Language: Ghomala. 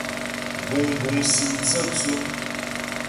Buŋbuŋ sim tsə́tsʉ́.